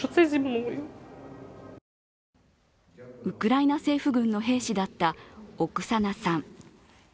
ウクライナ政府軍の兵士だったオクサナさん。